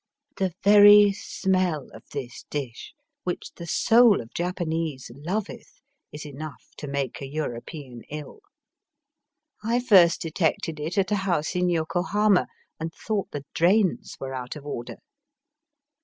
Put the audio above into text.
The very smell of this dish, which the soul of Japanese loveth, is enough to make a European ill. I first detected it at a house in Yokohama, and thought the drains were out of order.